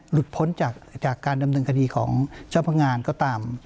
พ้นจากการดำเนินคดีของเจ้าพนักงานก็ตาม